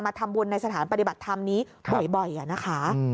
ทำบุญในสถานปฏิบัติธรรมนี้บ่อยนะคะ